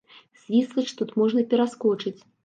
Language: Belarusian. Свіслач тут можна пераскочыць.